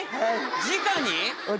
じかに？